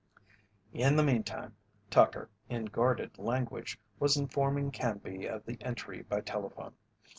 In the meantime, Tucker, in guarded language, was informing Canby of the entry by telephone.